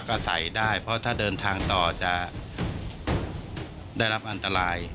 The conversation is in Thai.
ก็ใส่ได้เพราะถ้าเดินทางต่อจะได้รับอันตราย